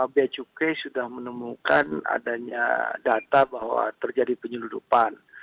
bacuk sudah menemukan adanya data bahwa terjadi penyelundupan